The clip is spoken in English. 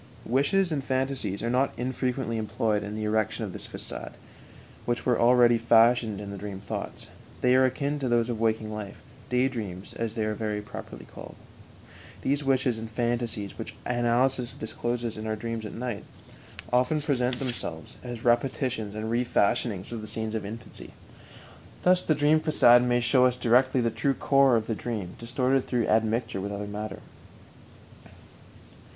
Wishes and phantasies are not infrequently employed in the erection of this façade, which were already fashioned in the dream thoughts; they are akin to those of our waking life "day dreams," as they are very properly called. These wishes and phantasies, which analysis discloses in our dreams at night, often present themselves as repetitions and refashionings of the scenes of infancy. Thus the dream façade may show us directly the true core of the dream, distorted through admixture with other matter.